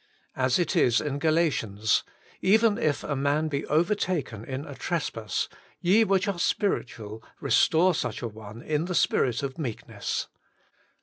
As it is in Galatians :' Even if a man be overtaken in a trespass, ye which are spir itual, restore such a one in the spirit of meekness.